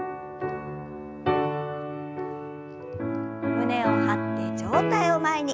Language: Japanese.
胸を張って上体を前に。